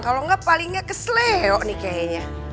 kalau enggak paling enggak keselio nih kayaknya